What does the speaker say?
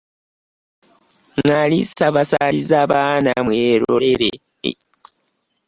Ngaali sabasaliza abaana mwerolere.